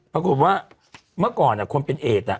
ปรากฏว่าเมื่อก่อนคนเป็นเอด